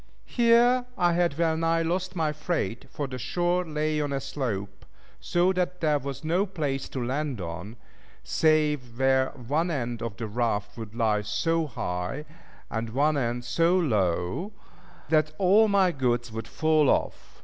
Here I had well nigh lost my freight, for the shore lay on a slope, so that there was no place to land on, save where one end of the raft would lie so high, and one end so low, that all my goods would fall off.